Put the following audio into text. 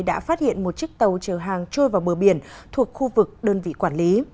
đã phát hiện một chiếc tàu chở hàng trôi vào bờ biển thuộc khu vực đơn vị quản lý